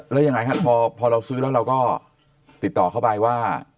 แล้วยังไงครับพอเราซื้อแล้วเราก็ติดต่อเข้าไปว่า